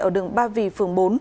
ở đường ba vì phường bốn